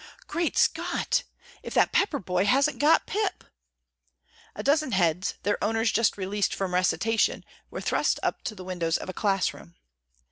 "Great Scott! If that Pepper boy hasn't got Pip!" A dozen heads, their owners just released from recitation, were thrust up to the windows of a class room.